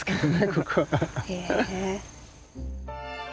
ここは。へえ。